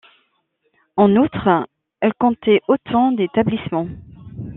En outre, elle comptait autant d'établissements.